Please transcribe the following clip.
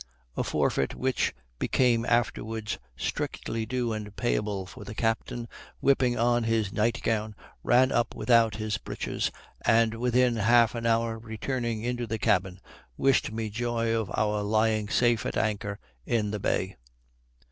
A forfeit which became afterwards strictly due and payable; for the captain, whipping on his night gown, ran up without his breeches, and within half an hour returning into the cabin, wished me joy of our lying safe at anchor in the bay.